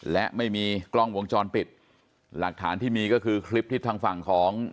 และไม่มีกล้องวงจรปิดหลักฐานที่มีก็คือคลิปที่ทางฝั่งของ